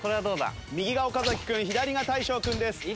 右が岡君左が大昇君です。